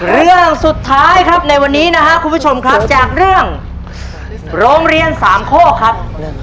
เรื่องสุดท้ายครับในวันนี้นะครับคุณผู้ชมครับจากเรื่องโรงเรียนสามข้อครับ